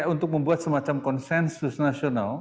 untuk membuat semacam konsensus nasional